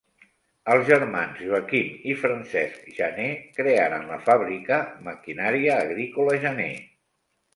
Els germans Joaquim i Francesc Janer crearen la fàbrica Maquinària Agrícola Janer.